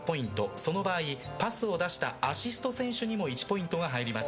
その場合パスを出したアシスト選手にも１ポイントが入ります。